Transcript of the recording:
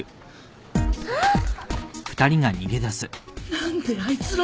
何であいつら。